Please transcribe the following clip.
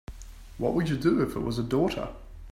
What would you do if it was a daughter?